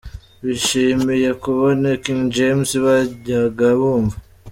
Bishimiye kubona King James bajyaga bumva.